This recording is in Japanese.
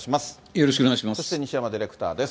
よろしくお願いします。